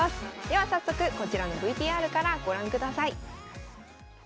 では早速こちらのＶＴＲからご覧ください。